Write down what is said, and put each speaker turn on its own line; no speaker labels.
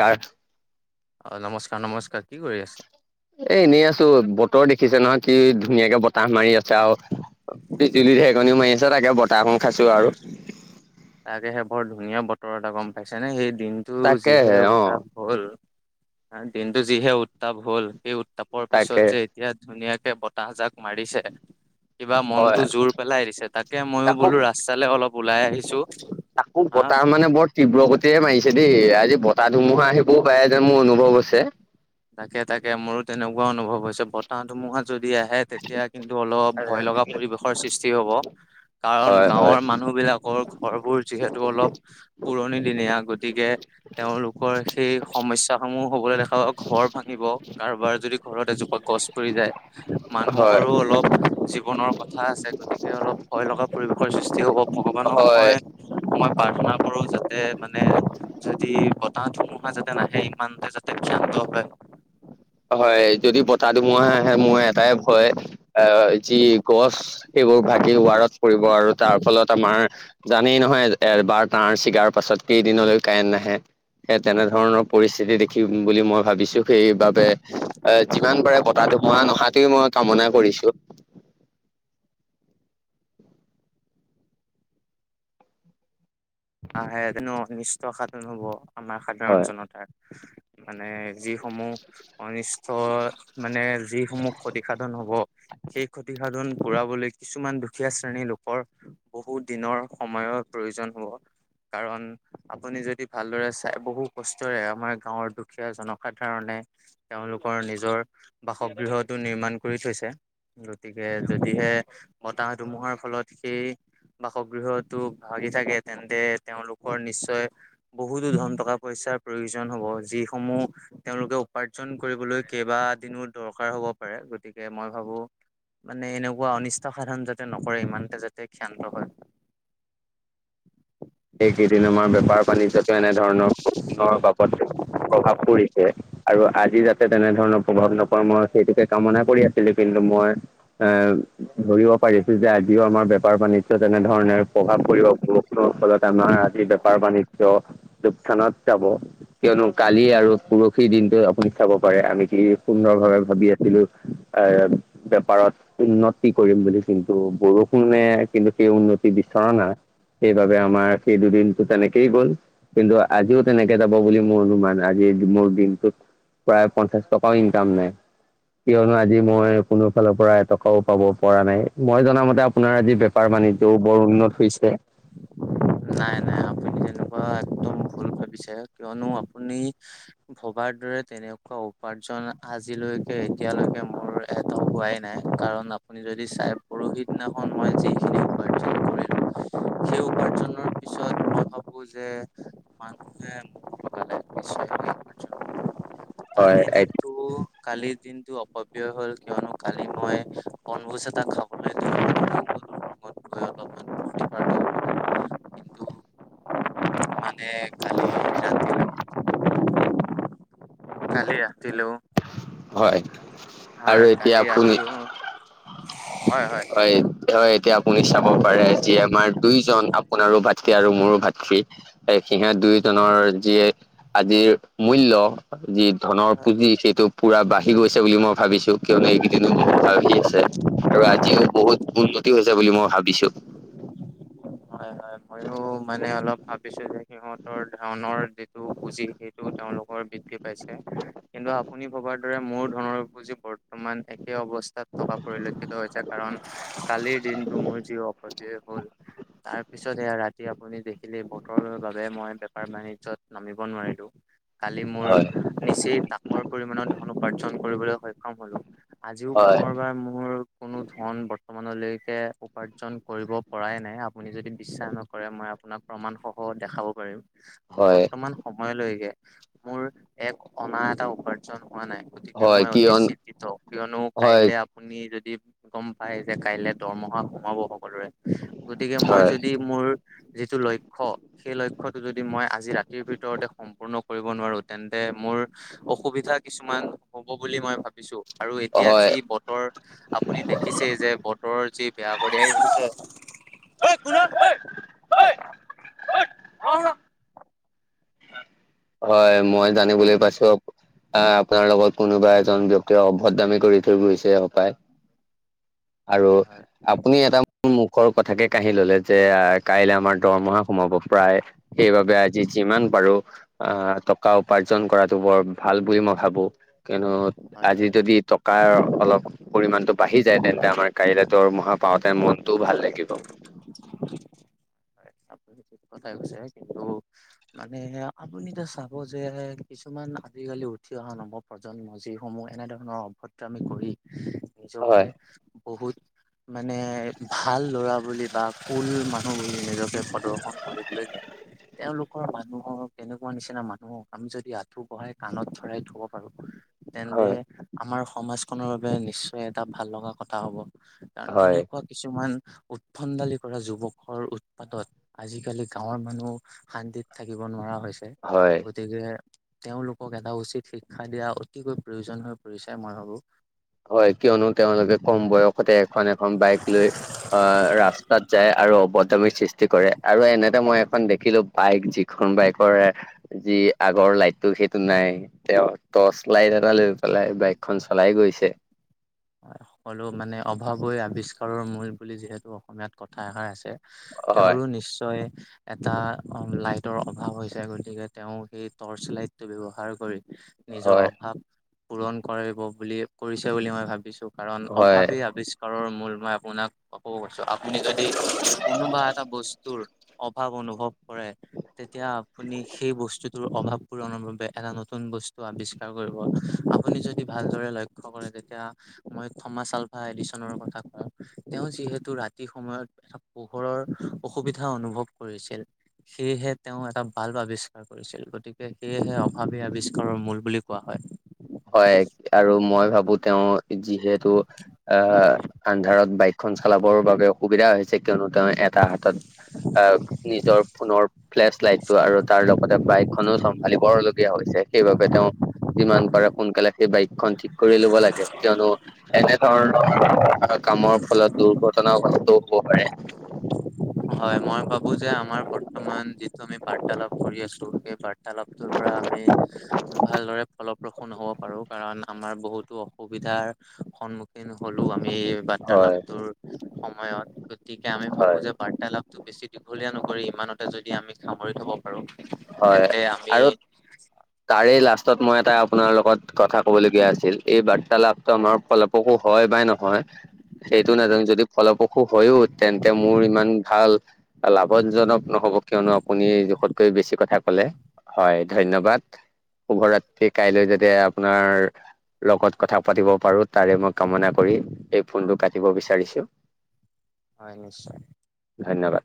কাৰ
অ নমস্কাৰ নমস্কাৰ কি কৰি আছে
এ এনেই আছো বতৰ দেখিছে নহয় কি ধুনীয়াকে বতাহ মাৰি আছে আউ বিজুলী ঢেৰৰ্কনিও মাৰি আছে তাকে বতাহ একন খাইছো আৰু
তাকেহে বৰ ধুনীয়া বতৰ এটা গম পাইছে নে সেই দিনটো যিহে
তাকেহে অ
উত্তাপ হ'ল আ দিনটো যিহে উত্তাপ হ'ল সেই উত্তাপৰ পিছত
তাকে
যে এতিয়া ধুনীয়াকে বতাহজাক মাৰিছে কিবা মনতো
হয়
জোৰ পেলাই দিছে তাকে মইও
তাকো
বোলো ৰাস্তালে অলপ ওলাই আহিছো
তাকো
হা।
বতাহ মানে বৰ তীব্ৰ গতিৰে মাৰিছে দেই আজি বতাহ ধুমুহা আহিবও পাৰে যে মোৰ অনুভৱ হৈছে।
তাকে তাকে মোৰো তেনেকুৱা অনুভৱ হৈছে বতাহ ধুমুহা যদি আহে তেতিয়া কিন্তু অলপ ভয় লগা পৰিবেশৰ সৃষ্টি হ'ব। কাৰণ
হয় হয়
গাঁৱৰ মানুহ বিলাকৰ ঘৰবোৰ যিহেতু অলপ পুৰণি দিনীয়া গতিকে তেওঁলোকৰ সেই সমস্যাসমূহ হ'বলৈ দেখা ঘৰ ভাঙিব কাৰোবাৰ যদি ঘৰত এজোপা গছ পৰি যায়
হয়
মানুহৰো অলপ জীৱনৰ কথা আছে গতিকে অলপ ভয় লগা পৰিৱেশৰ সৃষ্টি হ'ব ভগৱানক
হয়
মই মই প্ৰাৰ্থনা কৰো যাতে মানে যদি বতাহ ধুমুহা যাতে নাহে ইমানতে যাত [inaudible]
হয়, যদি বতাহ ধুমুহা আহে মোই এটাই ভয় এ যি গছ সেইবোৰ ভাগি ৱাৰত পৰিব আৰু তাৰ ফলত আমাৰ জানেই নহয় এ এবাৰ তাঁৰ ছিগাৰ পাছত কেইদিনলৈ কাৰেণ্ট নাহে। সেই তেনেধৰণৰ পৰিস্থিতি দেখিম বুলি মই ভাবিছো। সেইবাবে এ যিমান পাৰে বতাহ ধুমুহা নহাটোৱেই মই কামনা কৰিছো।
আহে তেনে' অনিষ্ঠ সাধন হব, আমাৰ
হয়
সাধাৰণ জনতাৰ। মানে যিসমূহ অনিষ্ট মানে যিসমূহ ক্ষতিসাধন হ'ব সেই ক্ষতিসাধন পুৰাবলৈ কিছুমান দুখীয়া শ্ৰেণীৰ লোকৰ বহু দিনৰ সময়ৰ প্ৰয়োজন হ'ব। কাৰণ আপুনি যদি ভালদৰে চাই বহু কষ্টৰে আমাৰ গাঁৱৰ দুখীয়া জনসাধাৰণে তেওঁলোকৰ নিজৰ বাসগৃহটো নিৰ্মাণ কৰি থৈছে। গতিকে যদিহে বতাহ ধুমুহাৰ ফলত সেই বাসগৃহতো ভাগি থাকে তেন্তে তেওঁলোকৰ নিশ্চয় বহুতো ধন টকা পইচাৰ প্ৰয়োজন হ'ব যিসমূহ তেওঁলোকে উপাৰ্জন কৰিবলৈ কেইবাদিনো দৰকাৰ হ'ব পাৰে গতিকে মই ভাবোঁ মানে এনেকুৱা অনিষ্ট সাধন যাতে নকৰে ইমানতে যাতে ক্ষিয়ান্ত হয়।
এইকেইদিন আমাৰ বেপাৰ বাণিজ্যটো এনেধৰণৰৰ বৰষুণৰ বাবদ প্ৰভাৱ পৰিছে আৰু আজি যাতে তেনেধৰণৰ প্ৰভাৱ নপৰে মই সেইটোকে কামনা কৰি আছিলো কিন্তু মই এ ধৰিব পাৰিছো যে আজিও আমাৰ বেপাৰ বাণিজ্যত তেনেধৰণে প্ৰভাৱ পৰিব বৰষুণৰ ফলত। আমাৰ আজি বেপাৰ বাণিজ্য লোকচানত যাব। কিয়নো কালি আৰু পৰহি দিনটো আপুনি চাব পাৰে আমি কি সুন্দৰ ভাৱে ভাবি আছিলো আহ বেপাৰত উন্নতি কৰিম বুলি কিন্তু বৰষুণে কিন্তু সেই উন্নতি বিচৰা নাই। সেইবাবে আমাৰ সেই দুদিনটো তেনেকেই গ'ল। কিন্তু আজিও তেনেকে যাব বুলি মোৰ অনুমান আজিৰ মোৰ দিনটোত প্ৰায় পঞ্চাশ টকাও ইনকাম নাই। কিয়নো আজি মই কোনো ফালৰ পৰা এটকাও পাব পৰা নাই মই জনামতে আপোনাৰ আজি বেপাৰ বাণিজ্যও বৰ উন্নত হৈছে।
নাই নাই আপুনি তেনেকুৱা একদম ভুল ভাবিছে কিয়নো আপুনি ভবাৰ দৰে তেনেকুৱা উপাৰ্জন আজিলৈকে এতিয়ালৈকে মোৰ এটাও হোৱাই নাই কাৰণ আ আপুনি যদি চাই পৰহি দিনাখন মই যিখিনি উপাৰ্জন কৰিলো সেই উপাৰ্জন ৰ পিছত [unintelligible] ভাবো যে মানুহে মোক লগালে [unintelligible]
হয়
কালি দিনটো কালিৰ দিনটো অপব্যই হল কিয়নো কালি মই বনভোজ এটা খাবলৈ [unintelligible] গৈ অলপমান ফূৰ্তি ফাৰ্তা কৰিলো কিন্তু মানে কালি। ৰাতি
[unintelligible]
কালি ৰাতি লেওঁ।
হয়। আৰু
হয়
এতিয়া
কালি
আপুনি
ৰাতিও।
হয়। হয় এতিয়া আপুনি চাব পাৰে যি আমাৰ দুইজন আপোনাৰো ভাতৃ আৰু মোৰো ভাতৃ। এই সিহত দুয়োজনৰ যি আজিৰ মূল্য যি ধনৰ
হয়
পুঁজি সেইটো পুৰা বাঢ়ি গৈছে বুলি মই ভাবিছো কিয়নো এইকেইদিনো বাহি আছে আৰু আ সিও বহুত উন্নতি হৈছে বুলি মই ভাবিছো।
হয় হয় ময়ো মানে অলপ ভাবিছো যে সিহঁতৰ ধনৰ যি, টো বুজি সেইটো তেওঁলোকৰ বৃদ্ধি পাইছে। কিন্তু আপুনি ভবাৰ দৰে মোৰ ধনৰ পুজি বৰ, বৰ্তমান একে অৱস্থাত থকা পৰিলক্ষিত হৈছে কাৰণ কালিৰ দিনটো মোৰ যি অপব্যয় হ'ল তাৰ পিছত সেয়া ৰাতি আপুনি দেখিলেই বতৰৰ বাবে মই বেপাৰ বাণিজ্যত নামিব নোৱাৰিলো কালি মোৰ
হয়
নিচেই তাকৰ পৰিমানৰ ধন উপাৰ্জন কৰিবলৈ সক্ষম হলো। আজিও
হয়
পুনৰবাৰ মোৰ কোনো ধন বৰ্তমানলৈকে উপাৰ্জন কৰিব পৰাই নাই আপুনি যদি বিশ্বাস নকৰে মই আপোনাক প্ৰমাণসহ দেখাব পাৰিম
হয়
বৰ্তমান সময়লৈকে মোৰ এক অনা এটা উপাৰ্জন হোৱা নাই। গতিকে
হয়
মই অতি
কিয়ন
চিন্তিত কিয়নো
হয়
কাইলে আপুনি যদি গম পায় যে কাইলে দৰমহা সোমাব সকলোৰে গতিকে মই
হয়
যদি মোৰ যিটো লক্ষ্য সেই লক্ষ্যটো যদি মই আজি ৰাতিৰ ভিতৰতে সম্পূৰ্ণ কৰিব নোৱাৰো তেন্তে মোৰ অসুবিধা কিছুমান হ'ব বুলি মই ভাবিছো আৰু এতিয়া
হয়
যি বতৰ আপুনি দেখিছেই যে বতৰৰ যি বেয়া কৰি আহিছে। ঐ কোন অ
হয় মই জানিবলৈ পাইছো। আ আপোনাৰ লগত কোনোবা এজন ব্যক্তিয়ে অভদ্ৰামী কৰি থৈ গৈছে হপায়।
[unintelligible]
আৰু আপুনি এটা মুখৰ কথাকে কাহি ললে যে আহ কাইলৈ আমাৰ দৰমহা সোমাব প্ৰায় সেইবাবে আজি যিমান পাৰো আহ টকা উপাৰ্জন কৰাটো বৰ ভাল বুলি মই ভাবো কিয়নো
হয় হয়
আজি
হয়
যদি কাৰ অলপ পৰিমাণটো বাঢ়ি যায় তেন্তে আমাৰ কাইলে দৰমহা পাওঁতে মনটোও ভাল লাগিব।
[unintelligible] হয় আপুনি ঠিক কথাই কৈছে কিন্তু মানে আপুনি এতিয়া চাব যে কিছুমান আজিকালি উঠি অহা নৱপ্ৰ প্ৰজন্ম যিসমূহ এনেধৰণৰ অভদ্ৰামি কৰি নিজকে
হয়
বহুত মানে ভাল ল'ৰা বুলি বা কুল মানুহ বুলি নিজকে প্ৰদৰ্শন কৰিবলৈ যায়। তেওঁলোকৰ মানুহৰ তেনেকুৱা নিচিনা মানুহক আমি যদি আঁঠু কহাই কাণত ধৰাই থব পাৰো। তেন্তে
হয়
আমাৰ সমাজখনৰ বাবে নিশ্চয় এটা ভাল লগা কথা হব। কাৰণ
হয়
এনেকুৱা কিছুমান উৎভণ্ডালি কৰা যুৱকৰ উৎপাতত আজিকালি গাঁৱৰ মানুহ শান্তিত থাকিব নোৱাৰা হৈছে।
হয়
গতিকে তেওঁলোকক এটা উচিত শিক্ষা দিয়া অতিকৈ প্ৰয়োজন হৈ পৰিছে মই ভাবো।
হয় কিয়নো তেওঁলোকে কম বয়সতে এখন এখন বাইক লৈ অ ৰাস্তাত যায় আৰু অভদ্ৰামিৰ সৃষ্টি কৰে আৰু এনেতে মই এখন দে দেখিলো বাইক যিখন বাইকৰ যি আগৰ লাইটটো সেইটো নাই তেওঁ টৰ্চ লাইট এটা লৈ পেলাই বাইকখন চলাই গৈছে
হয় সকলো মানে অভাৱেই আৱিষ্কাৰৰ মূল বুলি যিহেতু অসমীয়াত কথা এষাৰ আছে
হয়
তেওঁৰো নিশ্চয় এটা লাইটৰ অভাৱ হৈছে গতিকে তেওঁ সেই টৰ্চ লাইটটো ব্যৱহাৰ কৰি নিজৰ
হয়
অভাৱ পূৰণ কৰিব বুলি কৰিছে বুলি মই ভাবিছো কাৰণ
হয়
অভাৱেই আৱিষ্কাৰৰ মূল মই আপোনাক কব গৈছো আপুনি যদি কোনোবা এটা বস্তুৰ অভাৱ অনুভৱ কৰে। তেতিয়া আপুনি সেই বস্তুটোৰ অভাৱ পূৰণৰ বাবে এটা নতুন বস্তু আৱিষ্কাৰ। আপুনি যদি ভালদৰে লক্ষ্য কৰে তেতিয়া, মই থমা চালফা এডিচনৰ কথা কওঁ তেওঁ যিহেতু ৰাতি সময়ত, এটা পোহৰৰ অসুবিধা অনুভৱ কৰিছিল সেয়েহে তেওঁ এটা বাল্ব আৱিষ্কাৰ কৰিছিল গতিকে সেয়েহে অভাৱী আৱিষ্কাৰৰ মূল বুলি কোৱা হয়
হয় আৰু মই ভাবো তেওঁ যিহেতু আহ আন্ধাৰত বাইক খন চলাবৰ বাবে অসুবিধা হৈছে কিয়নো তেওঁ এটা হাতত আহ নিজৰ পুনৰ ফ্লেছ লাইটটো আৰু তাৰ লগতে বাইকখনো চম্ভালি বৰ লগীয়া হৈছে সেইবাবে তেওঁ যিমান পাৰে সোনকালে সেই বাইকখন ঠিক কৰি ল'ব লাগে কিয়নো এনেধৰণৰ কামৰ ফলত দুৰ্ঘটনাগ্ৰ্স্তও হব পাৰে
হয় মই ভাবো যে আমাৰ বৰ্তমান যিটো আমি বাৰ্তালাপ কৰি আছো সেই বাৰ তালাপটোৰ পৰা আমি ভালদৰে ফলপ্ৰসু সো হ'ব পাৰো কাৰণ আমাৰ বহুতো অসুবিধাৰ সন্মুখীন হলও আমি
হয়।
বাৰ্তালাপটোৰ সময়ত গতিকে আমি ভাবো
হয়
যে বাৰ্তালাপটো বেছি দীঘলীয়া নকৰি ইমানতে যদি আমি সামৰি থব পাৰো
হয়
তেন্তে আমি
আৰু তাৰে লাষ্টত মই এটা আপোনাৰ লগত কথা কব লগগীয়া আছিল এই বাৰ্তালাপটো আমাৰ ফল পসু হয় বা নহয় সেইটো নাজানো যদি ফলপ্ৰসু হয়ও তেন্তে মোৰ ইমান ভাল লাভজনক নহব কিয়নো আপুনি এই জোখত জোখতকৈ বেছি কথা ক'লে হয় ধন্যবাদ শুভ ৰাত্ৰি কাইলৈ যাতে আপোনাৰ লগত কথা পাতিব পাৰো তাৰে মই কামনা কৰি এই ফোনটো কাটিব বিচাৰিছো
হয় নিশ্চয়
ধন্যবাদ